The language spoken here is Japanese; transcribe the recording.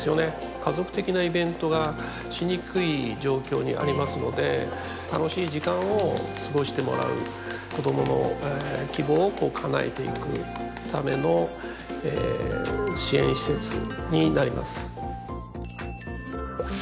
家族的なイベントがしにくい状況にありますので楽しい時間を過ごしてもらう子供の希望をかなえていくための支援施設になります